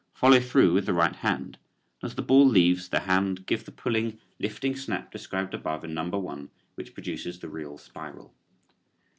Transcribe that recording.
Follow through with the right hand and as the ball leaves the hand give the pulling, lifting snap described above in number one which produces the real spiral.